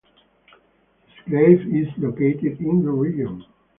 His grave is located in the region.